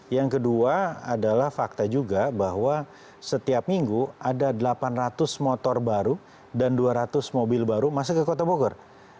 yang kedua adalah fakta juga bahwa setiap minggu ada delapan ratus motor baru dan dua ratus mobil baru masuk ke kota bogor